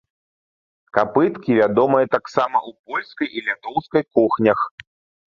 Капыткі вядомыя таксама ў польскай і літоўскай кухнях.